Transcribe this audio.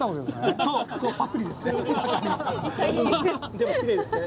でもきれいですね。